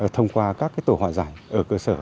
thông qua các tổ hòa giải ở cơ sở